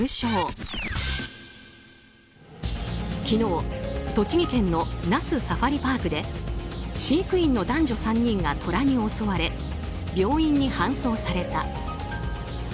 昨日、栃木県の那須サファリパークで飼育員の男女３人がトラに襲われ病院に搬送された。